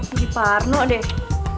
ini parno deh